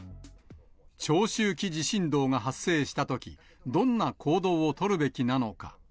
長周期地震動が発生したとき、どんな行動を取るべきなのか。